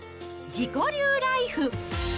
自己流ライフ。